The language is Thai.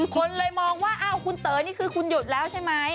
คนเลยมองว่าอ้าวคุณเต๋อนี่คือคุณหยุดแล้วใช่ไหม